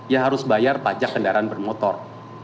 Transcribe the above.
ya harus bayar pajak kendaraan bermotor